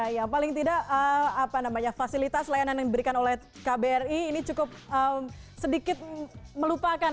yang paling tidak fasilitas layanan yang diberikan oleh kbri ini cukup sedikit melupakan